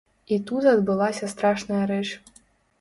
І тут адбылася страшная рэч.